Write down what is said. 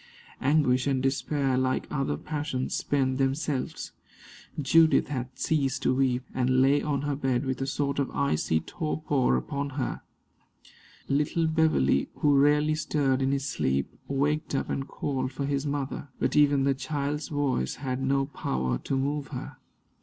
Anguish and despair, like other passions, spend themselves. Judith had ceased to weep, and lay on her bed with a sort of icy torpor upon her. Little Beverley, who rarely stirred in his sleep, waked up and called for his mother; but even the child's voice had no power to move her.